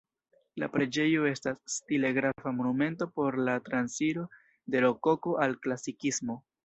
La preĝejo estas stile grava monumento por la transiro de Rokoko al Klasikismo.